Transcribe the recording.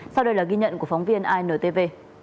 sau đây là ghi nhận của phóng viên intv